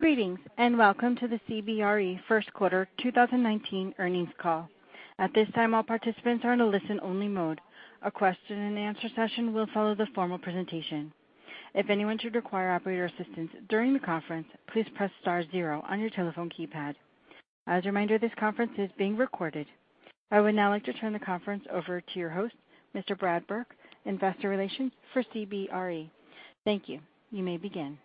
Greetings, and welcome to the CBRE first quarter 2019 earnings call. At this time, all participants are in a listen-only mode. A question and answer session will follow the formal presentation. If anyone should require operator assistance during the conference, please press star zero on your telephone keypad. As a reminder, this conference is being recorded. I would now like to turn the conference over to your host, Mr. Brad Burke, Investor Relations for CBRE. Thank you. You may begin.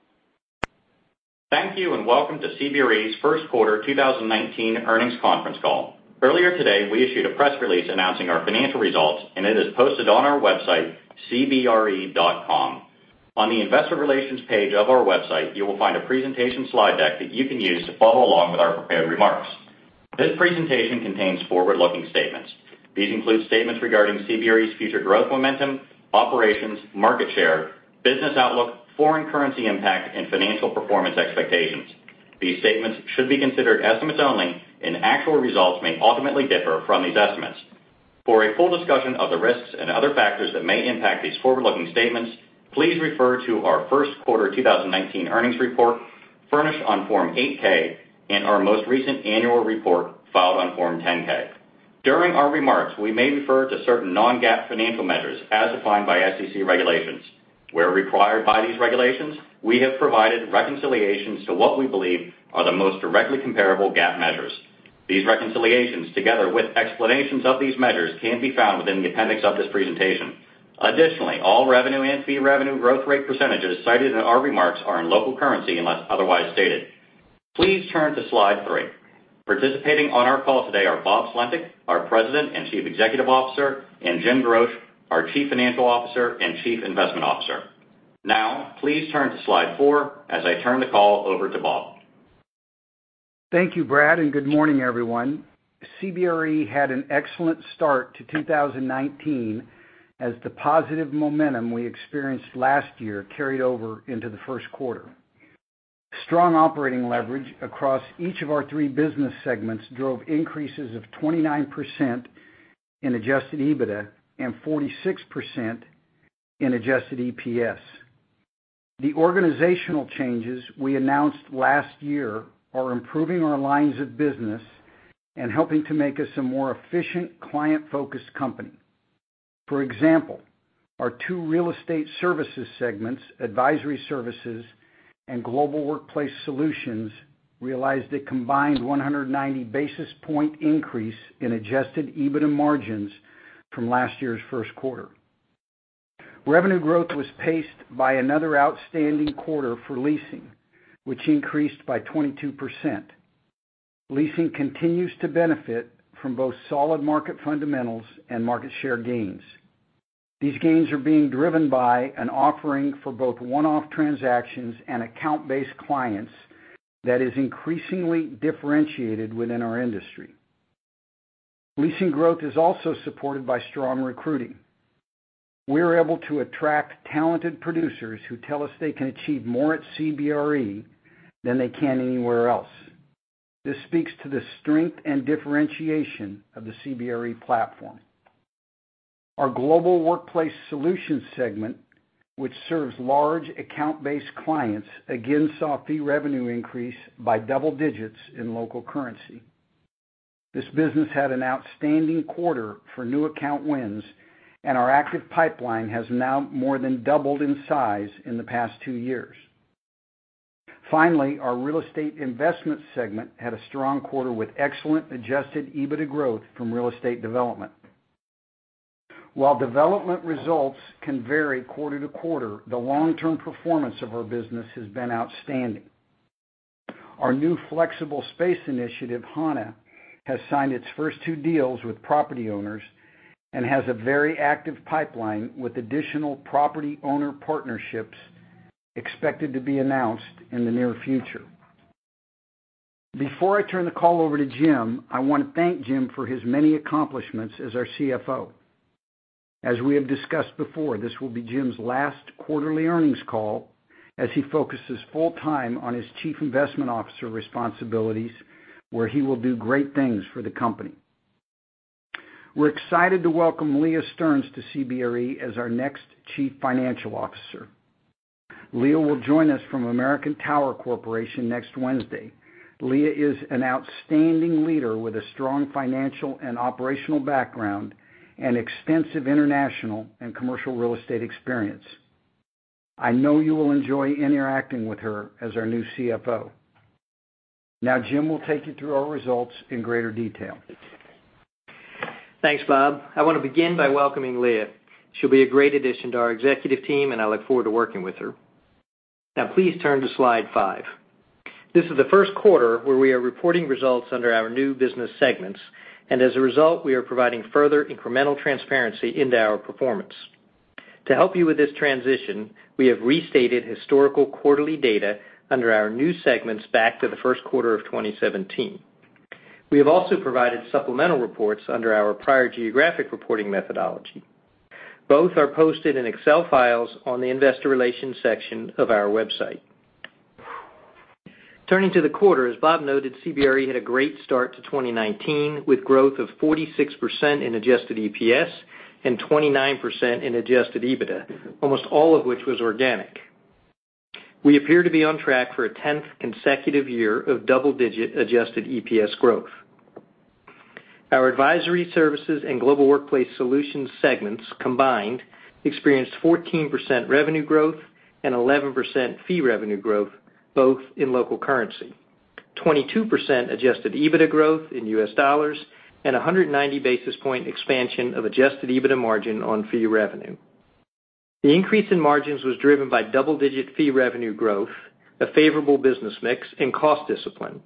Thank you, and welcome to CBRE's first quarter 2019 earnings conference call. Earlier today, we issued a press release announcing our financial results, and it is posted on our website, cbre.com. On the investor relations page of our website, you will find a presentation slide deck that you can use to follow along with our prepared remarks. This presentation contains forward-looking statements. These include statements regarding CBRE's future growth momentum, operations, market share, business outlook, foreign currency impact, and financial performance expectations. These statements should be considered estimates only, and actual results may ultimately differ from these estimates. For a full discussion of the risks and other factors that may impact these forward-looking statements, please refer to our first quarter 2019 earnings report furnished on Form 8-K and our most recent annual report filed on Form 10-K. During our remarks, we may refer to certain non-GAAP financial measures as defined by SEC regulations. Where required by these regulations, we have provided reconciliations to what we believe are the most directly comparable GAAP measures. These reconciliations, together with explanations of these measures, can be found within the appendix of this presentation. Additionally, all revenue and fee revenue growth rate percentages cited in our remarks are in local currency unless otherwise stated. Please turn to slide three. Participating on our call today are Bob Sulentic, our President and Chief Executive Officer, and Jim Groch, our Chief Financial Officer and Chief Investment Officer. Now please turn to slide four as I turn the call over to Bob. Thank you, Brad, and good morning, everyone. CBRE had an excellent start to 2019 as the positive momentum we experienced last year carried over into the first quarter. Strong operating leverage across each of our three business segments drove increases of 29% in adjusted EBITDA and 46% in adjusted EPS. The organizational changes we announced last year are improving our lines of business and helping to make us a more efficient, client-focused company. For example, our two real estate services segments, Advisory Services and Global Workplace Solutions, realized a combined 190 basis point increase in adjusted EBITDA margins from last year's first quarter. Revenue growth was paced by another outstanding quarter for leasing, which increased by 22%. Leasing continues to benefit from both solid market fundamentals and market share gains. These gains are being driven by an offering for both one-off transactions and account-based clients that is increasingly differentiated within our industry. Leasing growth is also supported by strong recruiting. We are able to attract talented producers who tell us they can achieve more at CBRE than they can anywhere else. This speaks to the strength and differentiation of the CBRE platform. Our Global Workplace Solutions segment, which serves large account-based clients, again saw fee revenue increase by double digits in local currency. This business had an outstanding quarter for new account wins, and our active pipeline has now more than doubled in size in the past two years. Finally, our Real Estate Investments segment had a strong quarter with excellent adjusted EBITDA growth from real estate development. While development results can vary quarter-to-quarter, the long-term performance of our business has been outstanding. Our new flexible space initiative, Hana, has signed its first two deals with property owners and has a very active pipeline with additional property owner partnerships expected to be announced in the near future. Before I turn the call over to Jim, I want to thank Jim for his many accomplishments as our CFO. As we have discussed before, this will be Jim's last quarterly earnings call as he focuses full time on his Chief Investment Officer responsibilities, where he will do great things for the company. We are excited to welcome Leah Stearns to CBRE as our next Chief Financial Officer. Leah will join us from American Tower Corporation next Wednesday. Leah is an outstanding leader with a strong financial and operational background and extensive international and commercial real estate experience. I know you will enjoy interacting with her as our new CFO. Now Jim will take you through our results in greater detail. Thanks, Bob. I want to begin by welcoming Leah. She will be a great addition to our executive team, and I look forward to working with her. Please turn to slide five. This is the first quarter where we are reporting results under our new business segments, and as a result, we are providing further incremental transparency into our performance. To help you with this transition, we have restated historical quarterly data under our new segments back to the first quarter of 2017. We have also provided supplemental reports under our prior geographic reporting methodology. Both are posted in Excel files on the investor relations section of our website. Turning to the quarter, as Bob noted, CBRE had a great start to 2019 with growth of 46% in adjusted EPS and 29% in adjusted EBITDA, almost all of which was organic. We appear to be on track for a 10th consecutive year of double-digit adjusted EPS growth. Our Advisory Services and Global Workplace Solutions segments combined experienced 14% revenue growth and 11% fee revenue growth, both in local currency, 22% adjusted EBITDA growth in U.S. dollars, and 190 basis point expansion of adjusted EBITDA margin on fee revenue. The increase in margins was driven by double-digit fee revenue growth, a favorable business mix, and cost discipline.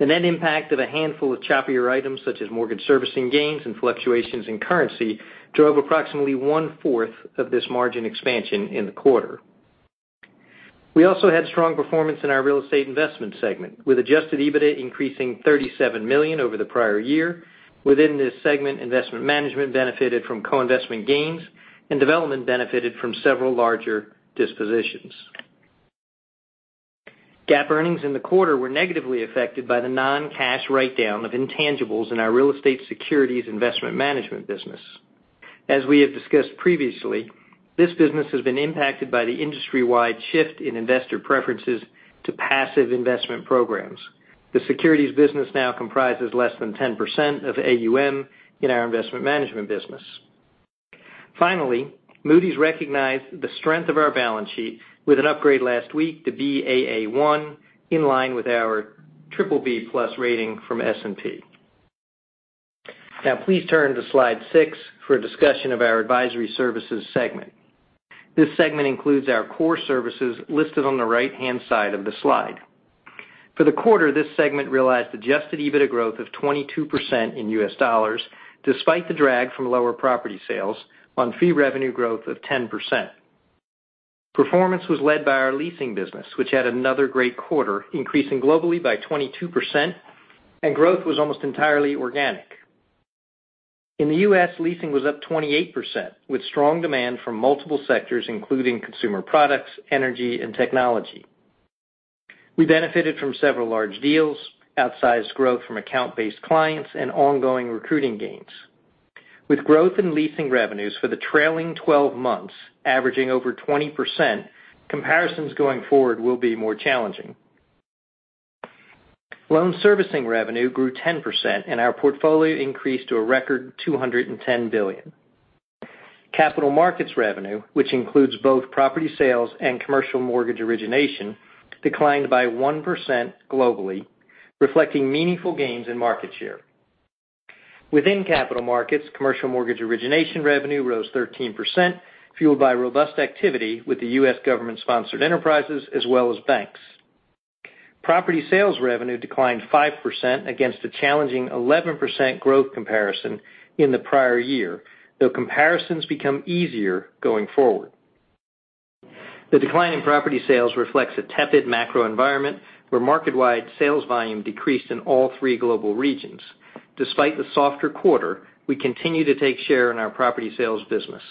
The net impact of a handful of choppier items such as mortgage servicing gains and fluctuations in currency drove approximately one-fourth of this margin expansion in the quarter. We also had strong performance in our Real Estate Investment segment, with adjusted EBITDA increasing $37 million over the prior year. Within this segment, investment management benefited from co-investment gains, and development benefited from several larger dispositions. GAAP earnings in the quarter were negatively affected by the non-cash write-down of intangibles in our Real Estate Securities Investment Management business. As we have discussed previously, this business has been impacted by the industry-wide shift in investor preferences to passive investment programs. The securities business now comprises less than 10% of AUM in our investment management business. Finally, Moody's recognized the strength of our balance sheet with an upgrade last week to Baa1, in line with our BBB+ rating from S&P. Now, please turn to slide six for a discussion of our Advisory Services segment. This segment includes our core services listed on the right-hand side of the slide. For the quarter, this segment realized adjusted EBITDA growth of 22% in U.S. dollars, despite the drag from lower property sales on fee revenue growth of 10%. Performance was led by our leasing business, which had another great quarter, increasing globally by 22%, and growth was almost entirely organic. In the U.S., leasing was up 28%, with strong demand from multiple sectors, including consumer products, energy, and technology. We benefited from several large deals, outsized growth from account-based clients, and ongoing recruiting gains. With growth in leasing revenues for the trailing 12 months averaging over 20%, comparisons going forward will be more challenging. Loan servicing revenue grew 10%, and our portfolio increased to a record $210 billion. Capital markets revenue, which includes both property sales and commercial mortgage origination, declined by 1% globally, reflecting meaningful gains in market share. Within capital markets, commercial mortgage origination revenue rose 13%, fueled by robust activity with the U.S. government-sponsored enterprises as well as banks. Property sales revenue declined 5% against a challenging 11% growth comparison in the prior year, though comparisons become easier going forward. The decline in property sales reflects a tepid macro environment where market-wide sales volume decreased in all three global regions. Despite the softer quarter, we continue to take share in our property sales business.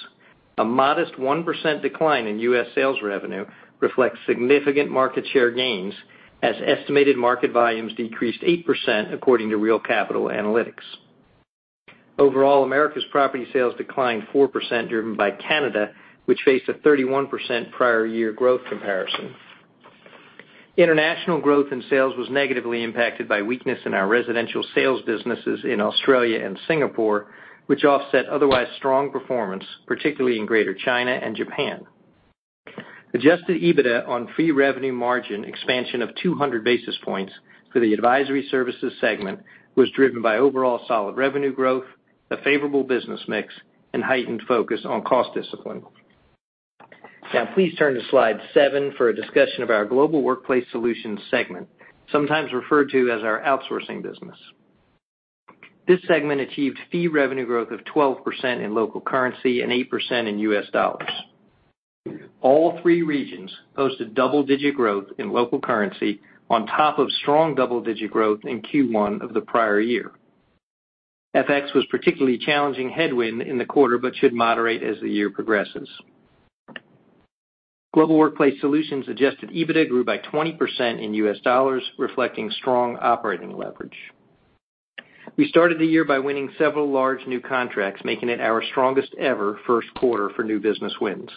A modest 1% decline in U.S. sales revenue reflects significant market share gains as estimated market volumes decreased 8%, according to Real Capital Analytics. Overall, America's property sales declined 4%, driven by Canada, which faced a 31% prior year growth comparison. International growth in sales was negatively impacted by weakness in our residential sales businesses in Australia and Singapore, which offset otherwise strong performance, particularly in Greater China and Japan. Adjusted EBITDA on fee revenue margin expansion of 200 basis points for the Advisory Services segment was driven by overall solid revenue growth, a favorable business mix, and heightened focus on cost discipline. Now, please turn to slide seven for a discussion of our Global Workplace Solutions segment, sometimes referred to as our outsourcing business. This segment achieved fee revenue growth of 12% in local currency and 8% in U.S. dollars. All three regions posted double-digit growth in local currency on top of strong double-digit growth in Q1 of the prior year. FX was particularly challenging headwind in the quarter but should moderate as the year progresses. Global Workplace Solutions' adjusted EBITDA grew by 20% in U.S. dollars, reflecting strong operating leverage. We started the year by winning several large new contracts, making it our strongest ever first quarter for new business wins.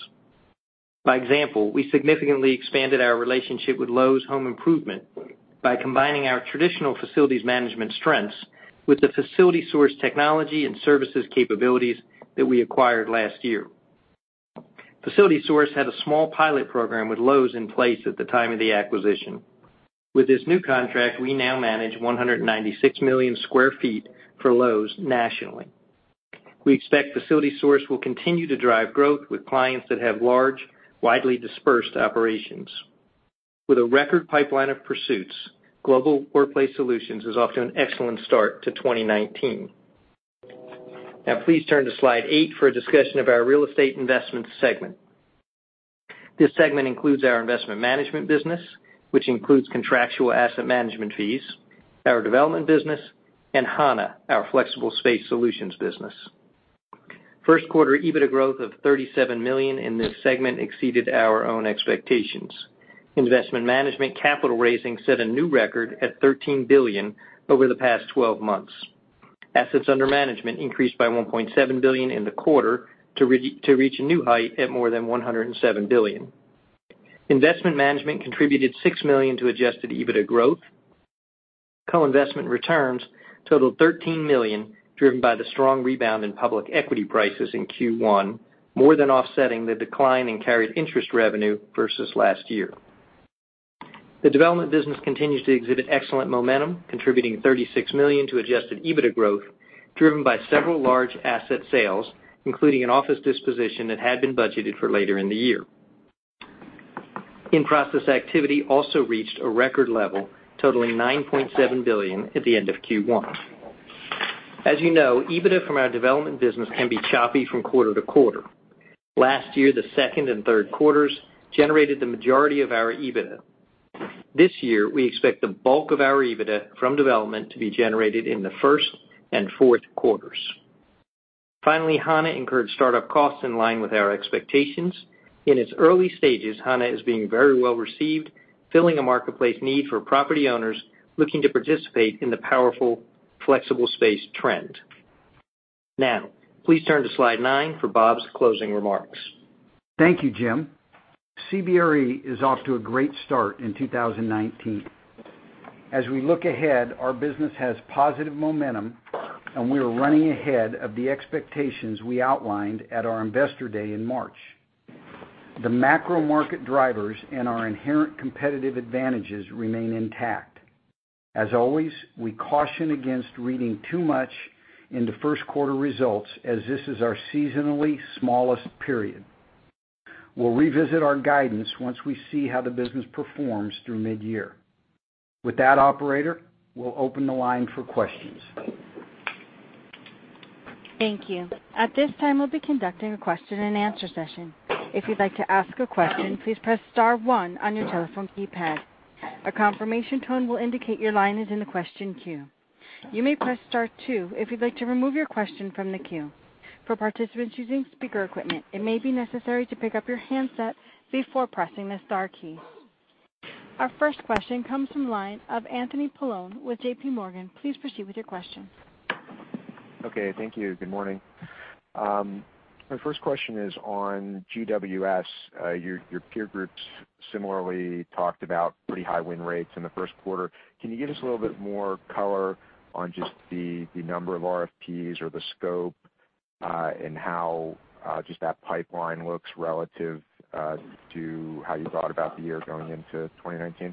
By example, we significantly expanded our relationship with Lowe's Home Improvement by combining our traditional facilities management strengths with the FacilitySource technology and services capabilities that we acquired last year. FacilitySource had a small pilot program with Lowe's in place at the time of the acquisition. With this new contract, we now manage 196 million square feet for Lowe's nationally. We expect FacilitySource will continue to drive growth with clients that have large, widely dispersed operations. With a record pipeline of pursuits, Global Workplace Solutions is off to an excellent start to 2019. Now, please turn to slide eight for a discussion of our Real Estate Investments segment. This segment includes our investment management business, which includes contractual asset management fees, our development business, and Hana, our flexible space solutions business. First quarter EBITDA growth of $37 million in this segment exceeded our own expectations. Investment management capital raising set a new record at $13 billion over the past 12 months. Assets under management increased by $1.7 billion in the quarter to reach a new height at more than $107 billion. Investment management contributed $6 million to adjusted EBITDA growth. Co-investment returns totaled $13 million, driven by the strong rebound in public equity prices in Q1, more than offsetting the decline in carried interest revenue versus last year. The development business continues to exhibit excellent momentum, contributing $36 million to adjusted EBITDA growth, driven by several large asset sales, including an office disposition that had been budgeted for later in the year. In-process activity also reached a record level, totaling $9.7 billion at the end of Q1. As you know, EBITDA from our development business can be choppy from quarter to quarter. Last year, the second and third quarters generated the majority of our EBITDA. This year, we expect the bulk of our EBITDA from development to be generated in the first and fourth quarters. Finally, Hana incurred startup costs in line with our expectations. In its early stages, Hana is being very well-received, filling a marketplace need for property owners looking to participate in the powerful flexible space trend. Now, please turn to slide nine for Bob's closing remarks. Thank you, Jim. CBRE is off to a great start in 2019. As we look ahead, our business has positive momentum, and we are running ahead of the expectations we outlined at our investor day in March. The macro market drivers and our inherent competitive advantages remain intact. As always, we caution against reading too much in the first quarter results, as this is our seasonally smallest period. We'll revisit our guidance once we see how the business performs through mid-year. With that, operator, we'll open the line for questions. Thank you. At this time, we'll be conducting a question and answer session. If you'd like to ask a question, please press star one on your telephone keypad. A confirmation tone will indicate your line is in the question queue. You may press star two if you'd like to remove your question from the queue. For participants using speaker equipment, it may be necessary to pick up your handset before pressing the star key. Our first question comes from the line of Anthony Paolone with JPMorgan. Please proceed with your question. Okay, thank you. Good morning. My first question is on GWS. Your peer groups similarly talked about pretty high win rates in the first quarter. Can you give us a little bit more color on just the number of RFPs or the scope, and how just that pipeline looks relative to how you thought about the year going into 2019?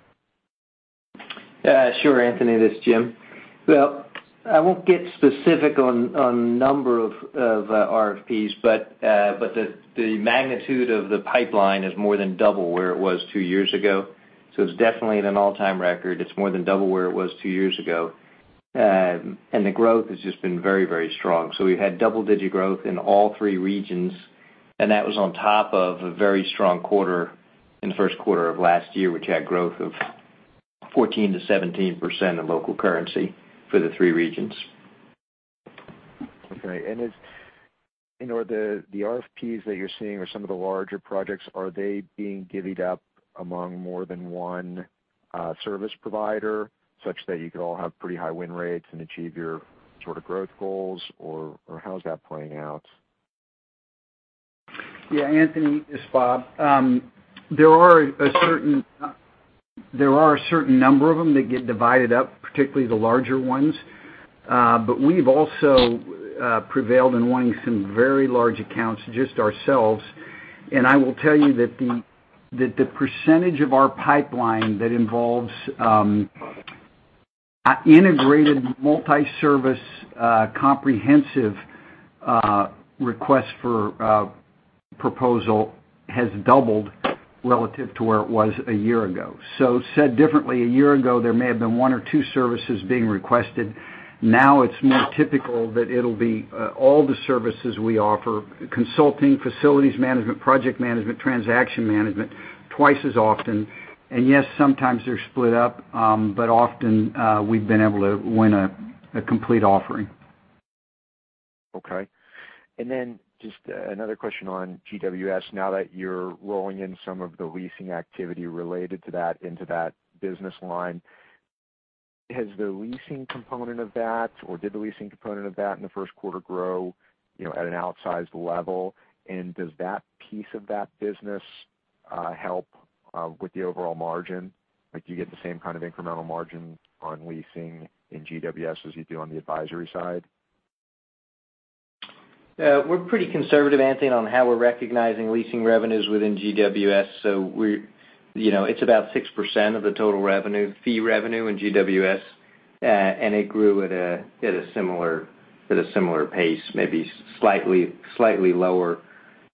Sure, Anthony. This is Jim. Well, I won't get specific on number of RFPs, but the magnitude of the pipeline is more than double where it was two years ago. It's definitely at an all-time record. It's more than double where it was two years ago, and the growth has just been very strong. We've had double-digit growth in all three regions, and that was on top of a very strong quarter in the first quarter of last year, which had growth of 14%-17% in local currency for the three regions. Okay. The RFPs that you're seeing or some of the larger projects, are they being divvied up among more than one service provider, such that you could all have pretty high win rates and achieve your sort of growth goals, or how is that playing out? Yeah, Anthony, this is Bob. There are a certain number of them that get divided up, particularly the larger ones. We've also prevailed in winning some very large accounts just ourselves. I will tell you that the percentage of our pipeline that involves integrated multi-service comprehensive requests for proposal has doubled relative to where it was a year ago. Said differently, a year ago, there may have been one or two services being requested. Now it's more typical that it'll be all the services we offer, consulting, facilities management, project management, transaction management, twice as often. Yes, sometimes they're split up, but often we've been able to win a complete offering. Okay. Just another question on GWS. Now that you're rolling in some of the leasing activity related to that into that business line, has the leasing component of that, or did the leasing component of that in the first quarter grow at an outsized level? Does that piece of that business help with the overall margin? Do you get the same kind of incremental margin on leasing in GWS as you do on the Advisory side? We're pretty conservative, Anthony, on how we're recognizing leasing revenues within GWS. It's about 6% of the total fee revenue in GWS, and it grew at a similar pace, maybe slightly lower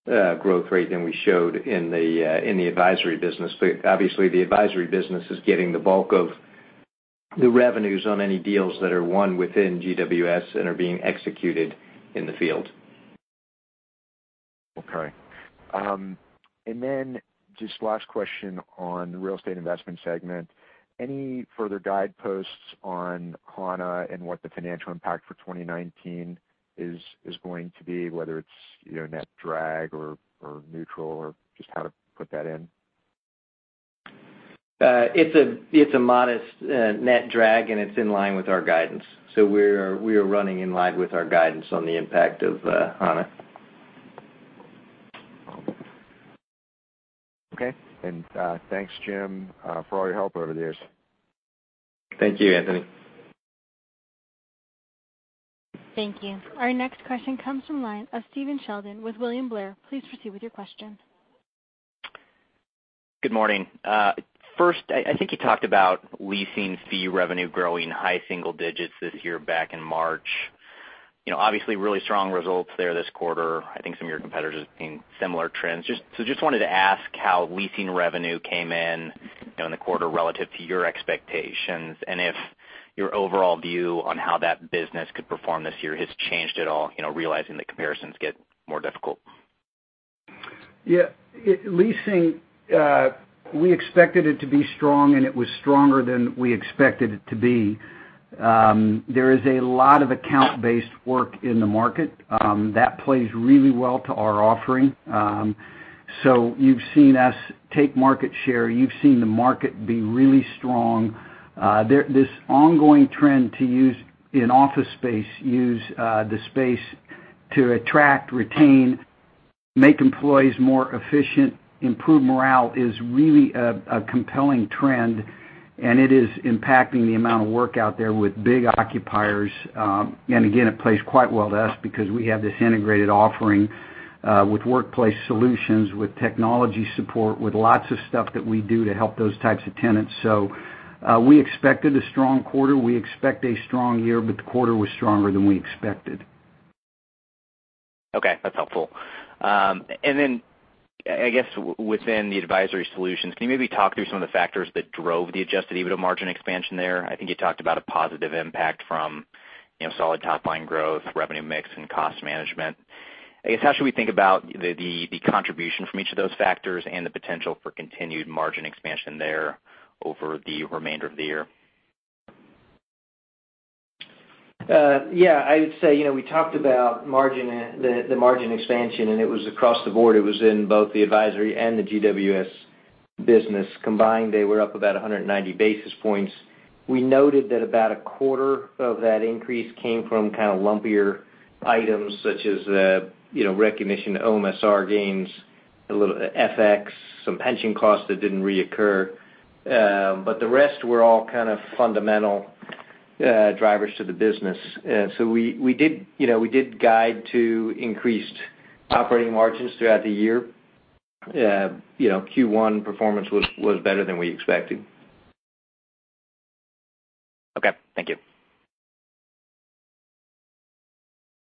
growth rate than we showed in the Advisory Services business. Obviously, the Advisory Services business is getting the bulk of the revenues on any deals that are won within GWS and are being executed in the field. Okay. Just last question on Real Estate Investments segment. Any further guideposts on Hana and what the financial impact for 2019 is going to be, whether it's net drag or neutral or just how to put that in? It's a modest net drag, and it's in line with our guidance. We are running in line with our guidance on the impact of Hana. Okay. Thanks, Jim, for all your help over the years. Thank you, Anthony. Thank you. Our next question comes from line of Stephen Sheldon with William Blair. Please proceed with your question. Good morning. First, I think you talked about leasing fee revenue growing high single digits this year back in March. Obviously, really strong results there this quarter. I think some of your competitors have seen similar trends. Just wanted to ask how leasing revenue came in the quarter relative to your expectations, and if your overall view on how that business could perform this year has changed at all, realizing that comparisons get more difficult. Yeah. Leasing, we expected it to be strong, and it was stronger than we expected it to be. There is a lot of account-based work in the market. That plays really well to our offering. You've seen us take market share. You've seen the market be really strong. This ongoing trend to use an office space, use the space to attract, retain, make employees more efficient, improve morale is really a compelling trend, and it is impacting the amount of work out there with big occupiers. Again, it plays quite well to us because we have this integrated offering, with workplace solutions, with technology support, with lots of stuff that we do to help those types of tenants. We expected a strong quarter. We expect a strong year, but the quarter was stronger than we expected. Okay. That's helpful. I guess within the Advisory Services, can you maybe talk through some of the factors that drove the adjusted EBITDA margin expansion there? I think you talked about a positive impact from solid top-line growth, revenue mix, and cost management. I guess, how should we think about the contribution from each of those factors and the potential for continued margin expansion there over the remainder of the year? Yeah. We talked about the margin expansion, and it was across the board. It was in both the Advisory and the GWS business. Combined, they were up about 190 basis points. We noted that about a quarter of that increase came from kind of lumpier items such as recognition of OMSR gains, a little FX, some pension costs that didn't reoccur. The rest were all kind of fundamental drivers to the business. We did guide to increased operating margins throughout the year. Q1 performance was better than we expected. Okay. Thank you.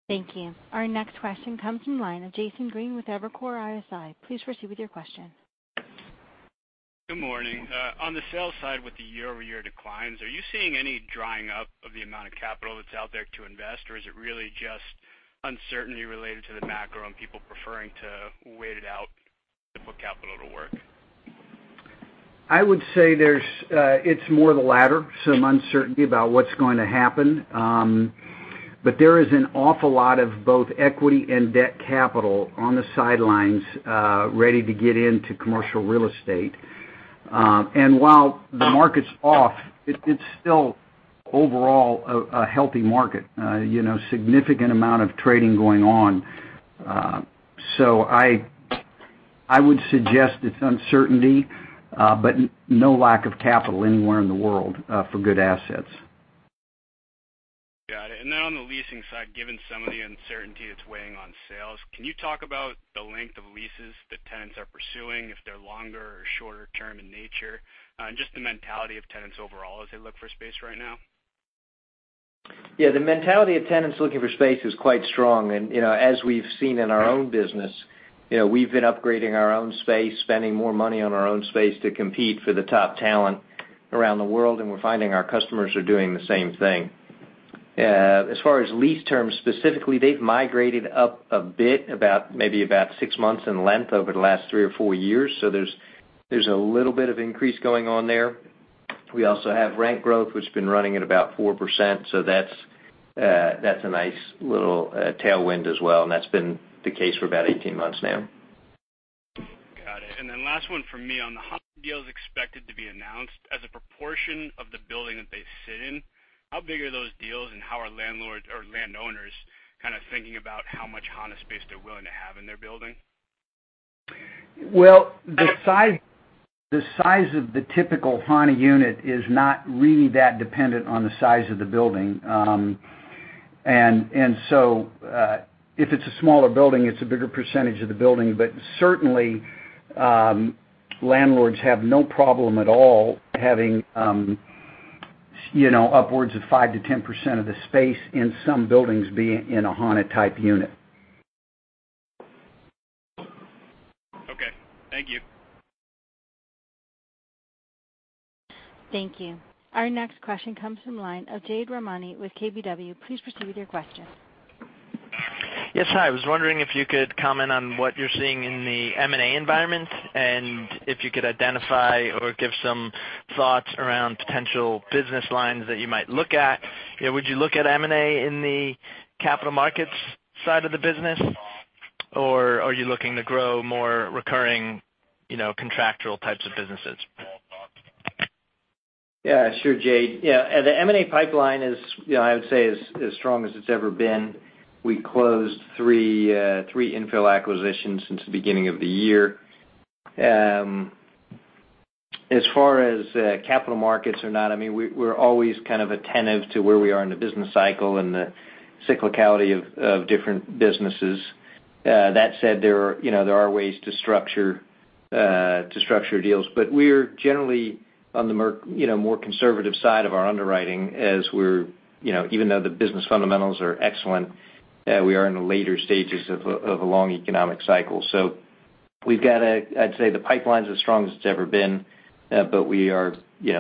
Thank you. Our next question comes from line of Jason Green with Evercore ISI. Please proceed with your question. Good morning. On the sales side with the year-over-year declines, are you seeing any drying up of the amount of capital that's out there to invest, or is it really just uncertainty related to the macro and people preferring to wait it out to put capital to work? I would say it's more the latter. Some uncertainty about what's going to happen. There is an awful lot of both equity and debt capital on the sidelines, ready to get into commercial real estate. While the market's off, it's still overall a healthy market. Significant amount of trading going on. I would suggest it's uncertainty, but no lack of capital anywhere in the world for good assets. Got it. On the leasing side, given some of the uncertainty that's weighing on sales, can you talk about the length of leases that tenants are pursuing, if they're longer or shorter term in nature? Just the mentality of tenants overall as they look for space right now. Yeah. The mentality of tenants looking for space is quite strong. As we've seen in our own business, we've been upgrading our own space, spending more money on our own space to compete for the top talent around the world, and we're finding our customers are doing the same thing. As far as lease terms specifically, they've migrated up a bit, maybe about six months in length over the last three or four years. There's a little bit of increase going on there. We also have rent growth, which has been running at about 4%, that's a nice little tailwind as well, that's been the case for about 18 months now. Got it. Last one from me. On the Hana deals expected to be announced as a proportion of the building that they sit in, how big are those deals and how are landlords or landowners kind of thinking about how much Hana space they're willing to have in their building? Well, the size of the typical Hana unit is not really that dependent on the size of the building. If it's a smaller building, it's a bigger percentage of the building. Certainly, landlords have no problem at all having upwards of 5%-10% of the space in some buildings be in a Hana type unit. Okay. Thank you. Thank you. Our next question comes from line of Jade Rahmani with KBW. Please proceed with your question. Yes. Hi. I was wondering if you could comment on what you're seeing in the M&A environment, and if you could identify or give some thoughts around potential business lines that you might look at. Would you look at M&A in the capital markets side of the business? Are you looking to grow more recurring, contractual types of businesses? Yeah, sure, Jade. Yeah. The M&A pipeline is, I would say is as strong as it's ever been. We closed three infill acquisitions since the beginning of the year. As far as capital markets or not, we're always kind of attentive to where we are in the business cycle and the cyclicality of different businesses. That said, there are ways to structure deals, but we're generally on the more conservative side of our underwriting, even though the business fundamentals are excellent, we are in the later stages of a long economic cycle. We've got, I'd say the pipeline's as strong as it's ever been. We are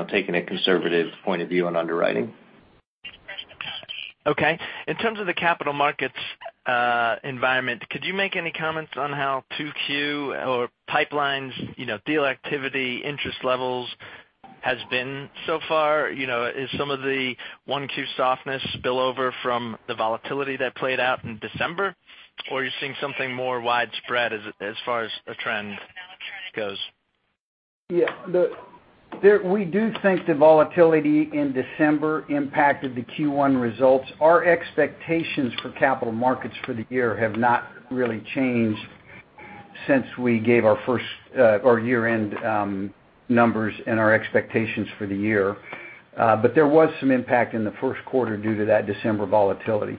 taking a conservative point of view on underwriting. Okay. In terms of the capital markets environment, could you make any comments on how 2Q or pipelines, deal activity, interest levels has been so far? Is some of the 1Q softness spillover from the volatility that played out in December? Are you seeing something more widespread as far as a trend goes? Yeah. We do think the volatility in December impacted the Q1 results. Our expectations for capital markets for the year have not really changed since we gave our year-end numbers and our expectations for the year. There was some impact in the first quarter due to that December volatility.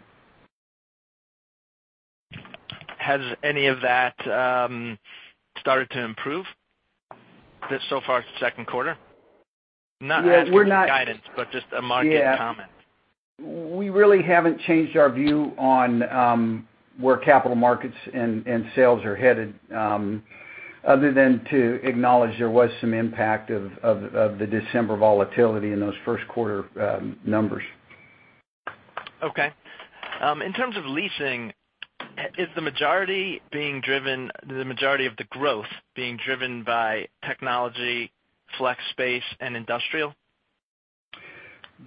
Has any of that started to improve so far into second quarter? Not asking for guidance, just a market comment. We really haven't changed our view on where capital markets and sales are headed, other than to acknowledge there was some impact of the December volatility in those first quarter numbers. Okay. In terms of leasing, is the majority of the growth being driven by technology, flex space, and industrial?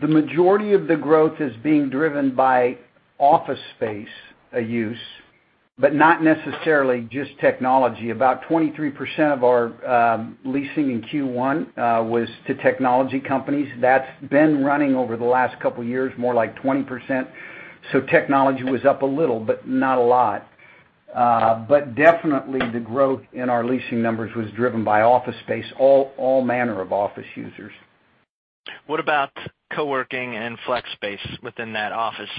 The majority of the growth is being driven by office space use, but not necessarily just technology. About 23% of our leasing in Q1 was to technology companies. That's been running over the last couple of years, more like 20%. Technology was up a little, but not a lot. Definitely the growth in our leasing numbers was driven by office space, all manner of office users. What about co-working and flex space within that office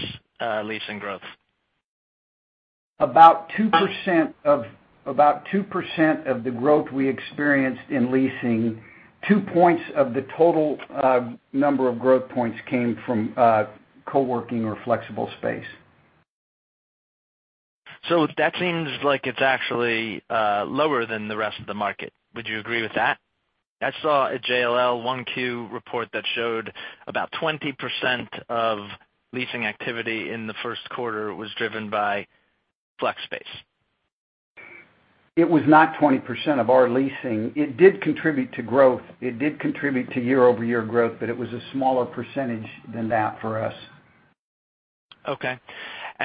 leasing growth? About 2% of the growth we experienced in leasing, two points of the total number of growth points came from co-working or flexible space. That seems like it's actually lower than the rest of the market. Would you agree with that? I saw a JLL 1Q report that showed about 20% of leasing activity in the first quarter was driven by flex space. It was not 20% of our leasing. It did contribute to growth. It did contribute to year-over-year growth, but it was a smaller percentage than that for us. Okay.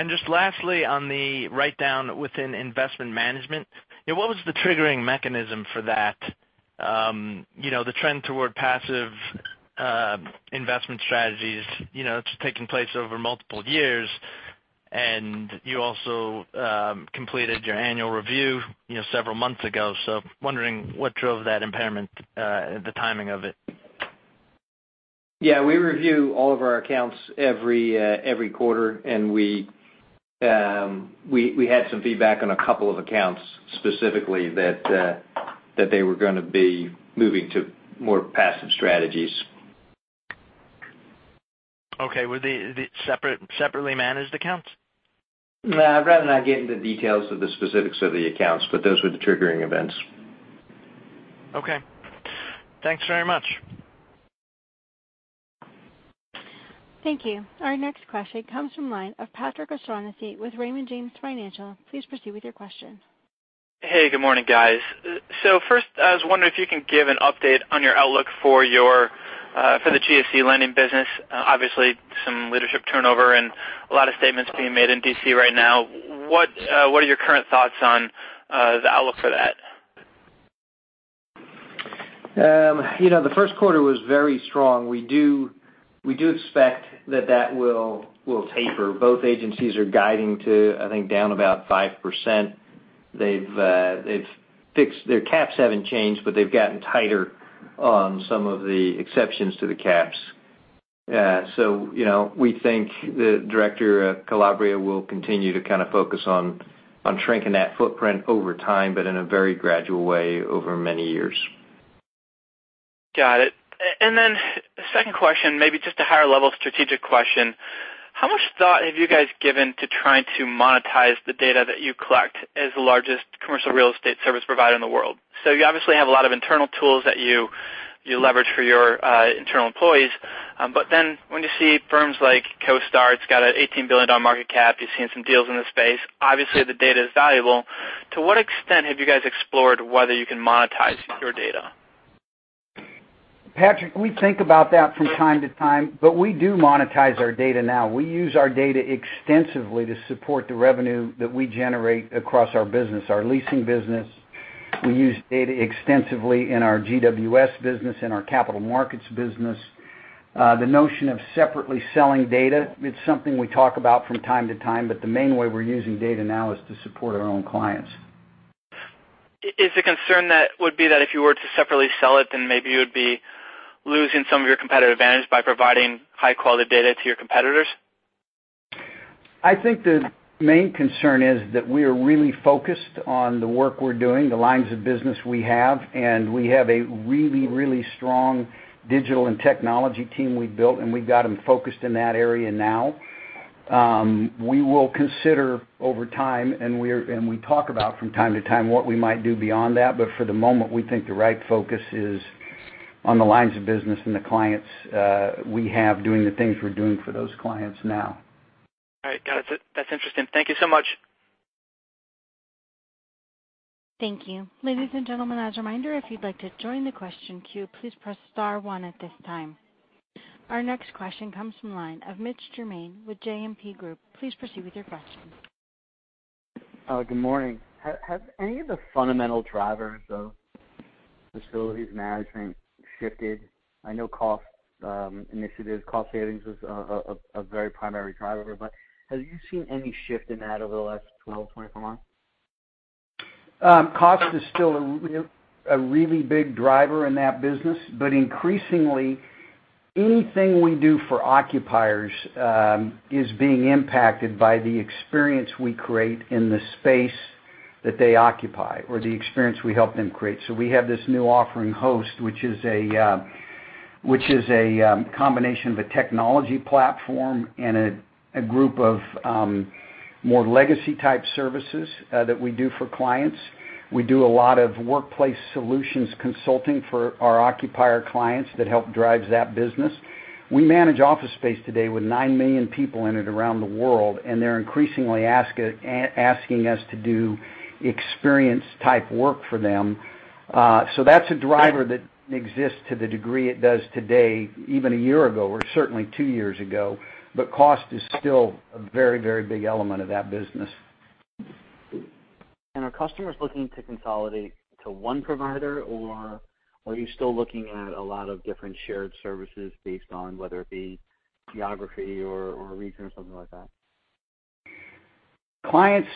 Just lastly, on the write-down within investment management, what was the triggering mechanism for that? The trend toward passive investment strategies, it's taken place over multiple years, and you also completed your annual review several months ago. Wondering what drove that impairment, the timing of it. Yeah. We review all of our accounts every quarter. We had some feedback on a couple of accounts, specifically that they were going to be moving to more passive strategies. Okay. Were they separately managed accounts? I'd rather not get into details of the specifics of the accounts, but those were the triggering events. Okay. Thanks very much. Thank you. Our next question comes from line of Patrick O'Shaughnessy with Raymond James Financial. Please proceed with your question. Hey, good morning, guys. First, I was wondering if you can give an update on your outlook for the GSE lending business. Obviously, some leadership turnover and a lot of statements being made in D.C. right now. What are your current thoughts on the outlook for that? The first quarter was very strong. We do expect that that will taper. Both agencies are guiding to, I think, down about 5%. Their caps haven't changed, but they've gotten tighter on some of the exceptions to the caps. We think that Director Calabria will continue to kind of focus on shrinking that footprint over time, but in a very gradual way over many years. Got it. Second question, maybe just a higher-level strategic question. How much thought have you guys given to trying to monetize the data that you collect as the largest commercial real estate service provider in the world? You obviously have a lot of internal tools that you leverage for your internal employees, when you see firms like CoStar, it's got an $18 billion market cap, you're seeing some deals in the space. Obviously, the data is valuable. To what extent have you guys explored whether you can monetize your data? Patrick, we think about that from time to time, but we do monetize our data now. We use our data extensively to support the revenue that we generate across our business, our leasing business. We use data extensively in our GWS business, in our capital markets business. The notion of separately selling data, it's something we talk about from time to time, but the main way we're using data now is to support our own clients. Is the concern that would be that if you were to separately sell it, then maybe you would be losing some of your competitive advantage by providing high-quality data to your competitors? I think the main concern is that we are really focused on the work we're doing, the lines of business we have. We have a really strong digital and technology team we've built, and we've got them focused in that area now. We will consider over time, and we talk about from time to time what we might do beyond that. For the moment, we think the right focus is on the lines of business and the clients we have, doing the things we're doing for those clients now. All right. Got it. That's interesting. Thank you so much. Thank you. Ladies and gentlemen, as a reminder, if you'd like to join the question queue, please press star one at this time. Our next question comes from the line of Mitch Germain with JMP Group. Please proceed with your question. Good morning. Have any of the fundamental drivers of facilities management shifted? I know cost initiatives, cost savings was a very primary driver. Have you seen any shift in that over the last 12, 24 months? Cost is still a really big driver in that business. Increasingly, anything we do for occupiers, is being impacted by the experience we create in the space that they occupy or the experience we help them create. We have this new offering, Host, which is a combination of a technology platform and a group of more legacy type services that we do for clients. We do a lot of workplace solutions consulting for our occupier clients that help drive that business. We manage office space today with 9 million people in it around the world, and they're increasingly asking us to do experience type work for them. That's a driver that exists to the degree it does today, even a year ago, or certainly two years ago. Cost is still a very big element of that business. Are customers looking to consolidate to one provider, or are you still looking at a lot of different shared services based on whether it be geography or region or something like that? Clients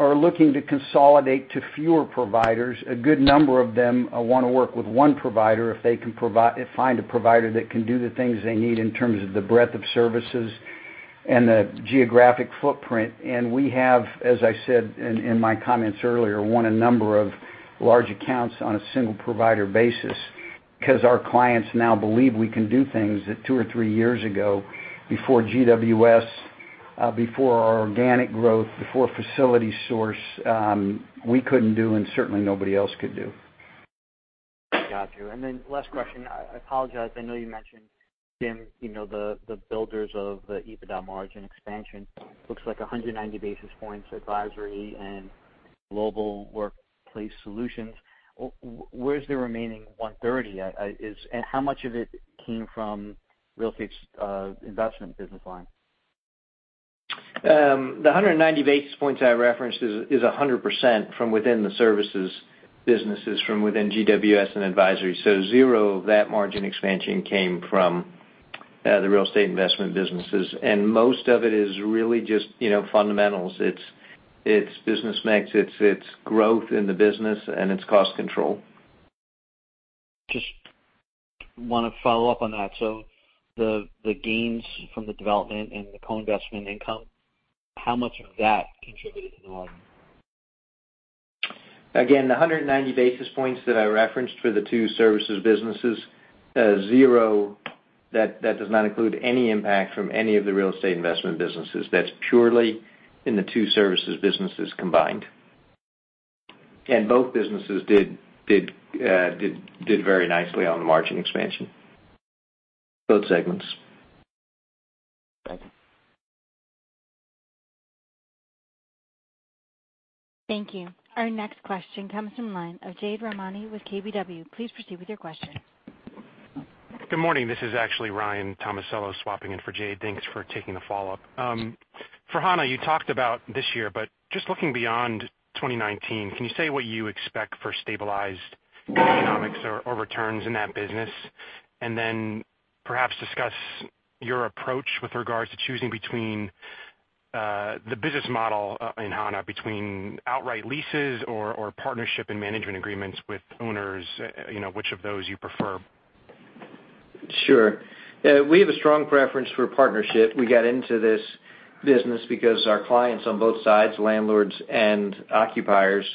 are looking to consolidate to fewer providers. A good number of them want to work with one provider if they can find a provider that can do the things they need in terms of the breadth of services and the geographic footprint. We have, as I said in my comments earlier, won a number of large accounts on a single provider basis because our clients now believe we can do things that two or three years ago, before GWS, before our organic growth, before FacilitySource, we couldn't do, and certainly nobody else could do. Got you. Last question. I apologize. I know you mentioned, Jim, the builders of the EBITDA margin expansion. Looks like 190 basis points Advisory and Global Workplace Solutions. Where's the remaining 130 basis points? How much of it came from Real Estate Investments business line? The 190 basis points I referenced is 100% from within the services businesses, from within GWS and Advisory. Zero of that margin expansion came from the real estate investment businesses. Most of it is really just fundamentals. It's business mix, it's growth in the business, and it's cost control. Just want to follow up on that. The gains from the development and the co-investment income, how much of that contributed to the margin? Again, the 190 basis points that I referenced for the two services businesses, zero. That does not include any impact from any of the real estate investment businesses. That's purely in the two services businesses combined. Both businesses did very nicely on the margin expansion. Both segments. Thank you. Thank you. Our next question comes from the line of Jade Rahmani with KBW. Please proceed with your question. Good morning. This is actually Ryan Tomasello swapping in for Jade. Thanks for taking the follow-up. For Hana, you talked about this year, but just looking beyond 2019, can you say what you expect for stabilized economics or returns in that business? Perhaps discuss your approach with regards to choosing between the business model in Hana, between outright leases or partnership and management agreements with owners, which of those you prefer. Sure. We have a strong preference for partnership. We got into this business because our clients on both sides, landlords and occupiers,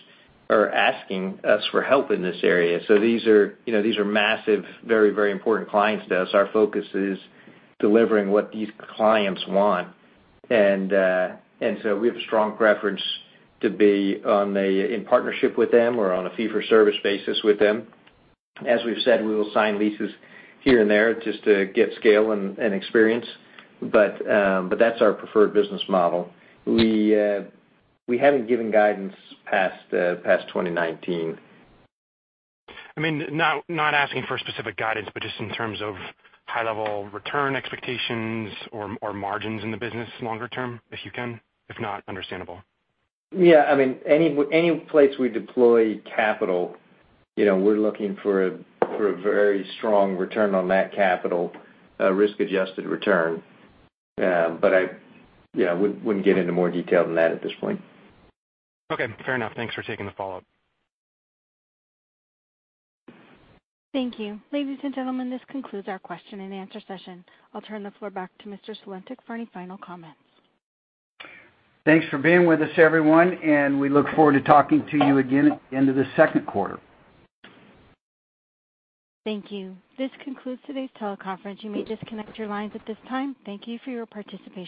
are asking us for help in this area. These are massive, very important clients to us. Our focus is delivering what these clients want. We have a strong preference to be in partnership with them or on a fee-for-service basis with them. As we've said, we will sign leases here and there just to get scale and experience, but that's our preferred business model. We haven't given guidance past 2019. I mean, not asking for specific guidance, but just in terms of high-level return expectations or margins in the business longer term, if you can? If not, understandable. Yeah. I mean, any place we deploy capital, we're looking for a very strong return on that capital, risk-adjusted return. I wouldn't get into more detail than that at this point. Okay, fair enough. Thanks for taking the follow-up. Thank you. Ladies and gentlemen, this concludes our question and answer session. I'll turn the floor back to Mr. Sulentic for any final comments. Thanks for being with us, everyone, and we look forward to talking to you again at the end of the second quarter. Thank you. This concludes today's teleconference. You may disconnect your lines at this time. Thank you for your participation.